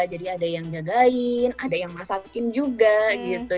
jadi ada yang jagain ada yang masakin juga gitu